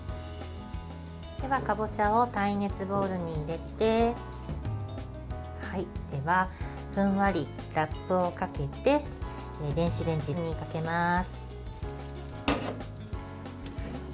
では、かぼちゃを耐熱ボウルに入れてふんわりラップをかけて電子レンジにかけます。